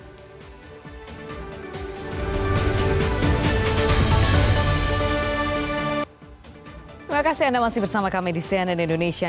terima kasih anda masih bersama kami di cnn indonesia